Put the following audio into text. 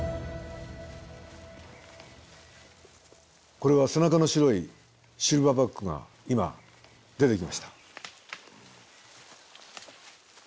これは背中の白いシルバーバックが今出てきました。